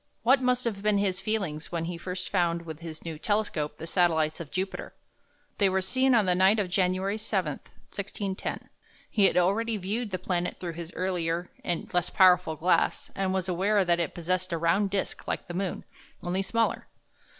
What must have been his feelings when he first found with his "new" telescope the satellites of Jupiter? They were seen on the night of January 7, 1610. He had already viewed the planet through his earlier and less powerful glass, and was aware that it possessed a round disk like the moon, only smaller.